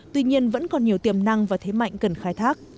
tuy nhiên vẫn còn nhiều tiềm năng và thế mạnh cần khai thác